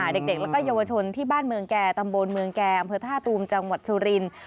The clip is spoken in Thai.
เด็กและเยาวชนที่บ้านเมืองแก่ตำบลเมืองแก่อำเภอท่าตูมจังหวัดสุรินทร์